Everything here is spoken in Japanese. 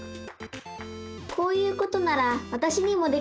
こういうことならわたしにもできそう！